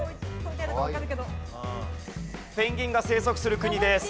ペンギンが生息する国です。